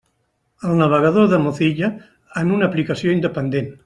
El navegador de Mozilla, en una aplicació independent.